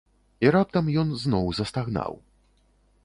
І раптам ён зноў застагнаў.